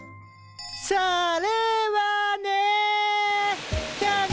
それはね。